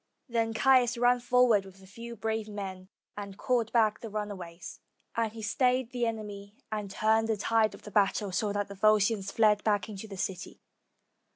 301 ROME Then Caius ran forward with a few brave men, and called back the runaways; and he stayed the enemy, and turned the tide of the battle, so that the Volscians fled back into the city.